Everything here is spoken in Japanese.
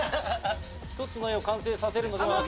１つの絵を完成させるのではなく。